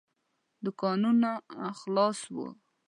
دوکانونه خلاص وو.